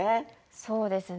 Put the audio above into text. そうですね。